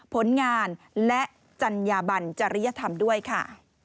ผลงานและจัญญาบันจริยธรรมด้วยค่ะ